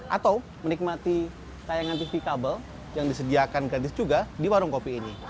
atau menikmati tayangan tv kabel yang disediakan gratis juga di warung kopi ini